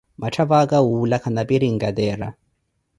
Matthavaka wuula khana pirinkatera